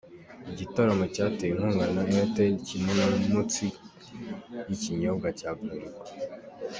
Igitaramo cyatewe inkunga na Airtel kimwe na Mutzig y’ikinyobwa cya Bralirwa.